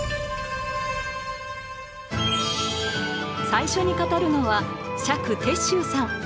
最初に語るのは釈徹宗さん。